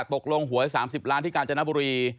หวย๓๐ล้านที่กาญจนบุรี